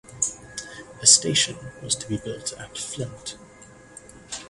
A station was to be built at Flint.